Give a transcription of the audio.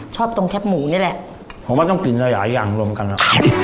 ชอบตรงแคบหมูนี่แหละผมว่าต้องกินระยะยำรวมกันอ่ะ